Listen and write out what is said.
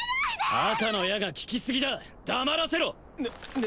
赤の矢が効きすぎだ黙らせろ！ね